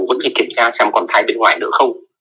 vẫn chỉ kiểm tra xem còn thai bên ngoài nữa không